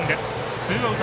ツーアウト。